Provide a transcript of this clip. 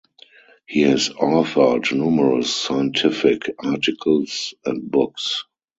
He has authored numerous scientific articles and books.